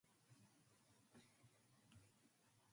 A pocket is cut on the inside of the rail with a gouge.